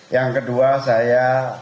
yang kedua saya